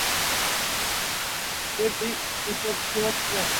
Mavis, এসব কী হচ্ছে?